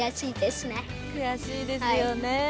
悔しいですよね。